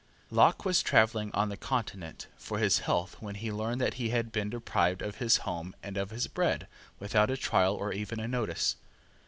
Locke was travelling on the Continent for his health when he learned that he had been deprived of his home and of his bread without a trial or even a notice.